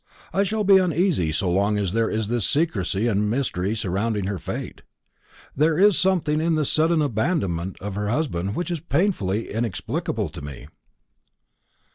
I shall be uneasy so long as there is this secrecy and mystery surrounding her fate. There is something in this sudden abandonment of her husband which is painfully inexplicable to me."